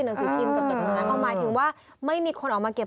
หนังสือพิมพ์ก็จดหมายค้ามาถึงว่าไม่มีคนออกมาเก็บ